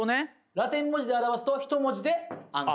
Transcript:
ラテン文字で表すとひと文字で「＆」。